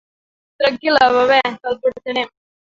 Tranquil·la Bebè, te'l portarem.